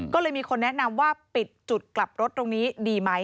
ก็เลยมีคนแนะนำว่าปิดจุดกลับรถตรงนี้ดีไหม